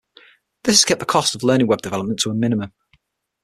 This has kept the cost of learning web development to a minimum.